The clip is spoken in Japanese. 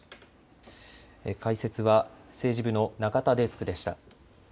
解説は政治部の中田デスクでした。